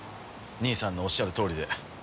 兄さんのおっしゃるとおりで。